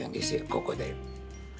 ここで。